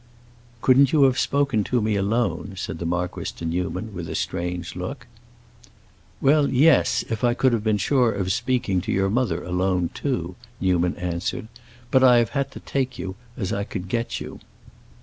"Couldn't you have spoken to me alone?" said the marquis to Newman, with a strange look. "Well, yes, if I could have been sure of speaking to your mother alone, too," Newman answered. "But I have had to take you as I could get you."